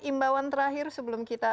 imbauan terakhir sebelum kita